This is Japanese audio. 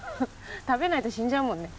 食べないと死んじゃうもんね。